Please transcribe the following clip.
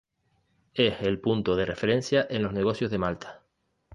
Es el punto de referencia en los negocios de Malta.